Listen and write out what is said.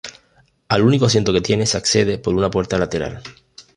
Al único asiento que tiene se accede por una puerta lateral.